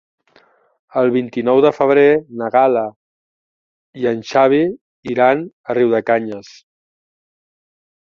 El vint-i-nou de febrer na Gal·la i en Xavi iran a Riudecanyes.